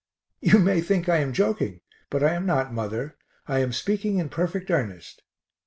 You may think I am joking, but I am not, mother I am speaking in perfect earnest.